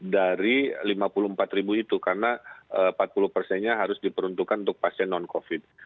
dari lima puluh empat ribu itu karena empat puluh persennya harus diperuntukkan untuk pasien non covid